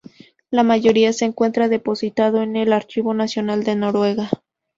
La mayoría se encuentra depositado en el Archivo Nacional de Noruega.